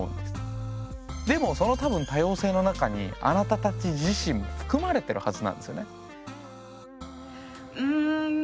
でもその多分多様性の中にあなたたち自身も含まれてるはずなんですよね。